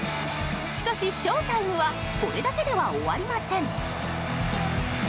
しかしショータイムはこれだけでは終わりません。